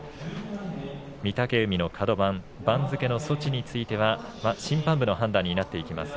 御嶽海のカド番番付の措置については審判部の判断になっていきます。